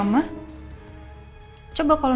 kedengaran kita ah